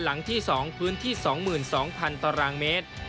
หลังที่๒พื้นที่๒๒๐๐๐ตรม